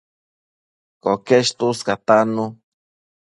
Coquesh tuscatannu